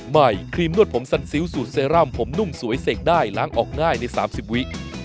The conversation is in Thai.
ครีมนวดผมสันซิลสูตรเซรั่มผมนุ่มสวยเสกได้ล้างออกง่ายใน๓๐วิ